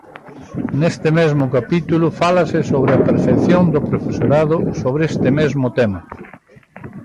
Neste mesmo capítulo fálase sobre a percepción do profesorado sobre este mesmo tema.